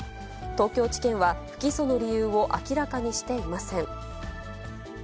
東京地検は、不起訴の理由を明らかにしていません。